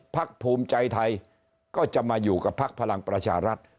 ภักดิ์ภูมิใจไทยก็จะมาอยู่กับภักดิ์พลังประชารัฐ